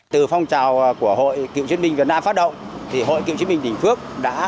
từ phong trào của hội cựu chiến binh việt nam phát động